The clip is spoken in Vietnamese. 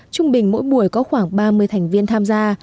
trung bình mỗi buổi có khoảng ba mươi thành viên tham gia